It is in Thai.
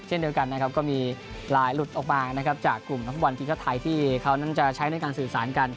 เช่นเดียวกันนะครับก็มีลายหลุดออกมานะครับจากกลุ่มนักฟุตบอลทีมชาติไทยที่เขานั้นจะใช้ในการสื่อสารกัน